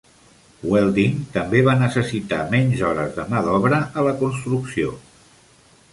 Welding també va necessitar menys hores de mà d'obra a la construcció.